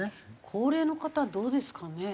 高齢の方どうですかね？